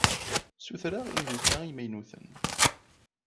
Ssutreɣ iruka imaynuten.